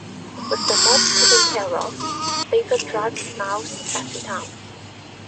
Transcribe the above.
With the mob taken care of, David drives Niles back to town.